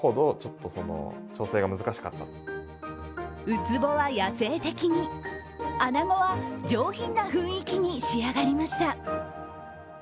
ウツボは野性的に、アナゴは上品な雰囲気に仕上がりました。